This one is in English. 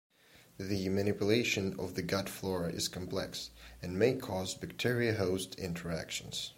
The manipulation of the gut flora is complex and may cause bacteria-host interactions.